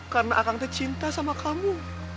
karena akang tercinta sama kamu